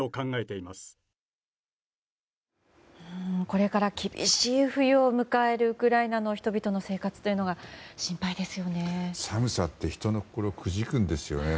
これから厳しい冬を迎えるウクライナの人々の生活が寒さって、人の心をくじくんですよね。